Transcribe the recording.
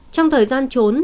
trong thời gian trốn